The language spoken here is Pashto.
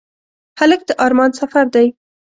هلک د ارمان سفر دی.